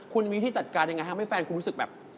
คุณมีที่จัดการยังไงทำให้แฟนคุณรู้สึกแบบ